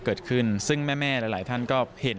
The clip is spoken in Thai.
เกิดขึ้นซึ่งแม่หลายท่านก็เห็น